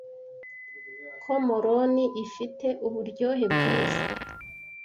ko moroni ifite uburyohe bwiza